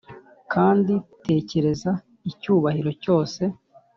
kandi tekereza icyubahiro cyose, ,